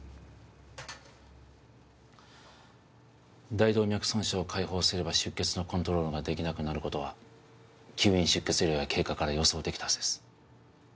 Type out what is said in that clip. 大動脈損傷を開放すれば出血のコントロールができなくなることは吸引出血量や経過から予想できたはずです